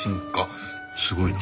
すごいな。